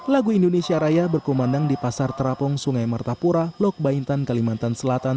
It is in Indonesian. lagu indonesia raya berkumandang di pasar terapung sungai mertapura lok bain tan kalimantan selatan